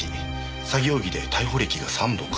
詐欺容疑で逮捕歴が３度か。